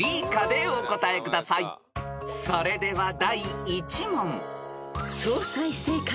［それでは第１問］